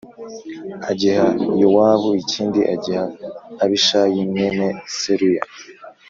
agiha Yowabu ikindi agiha Abishayi mwene Seruya